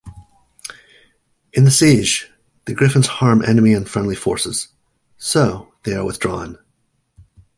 In the siege, the griffins harm enemy and friendly forces, so they are withdrawn.